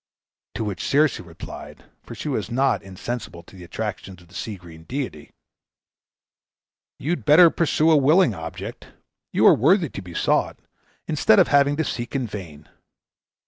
To which Circe replied, for she was not insensible to the attractions of the sea green deity, "You had better pursue a willing object; you are worthy to be sought, instead of having to seek in vain.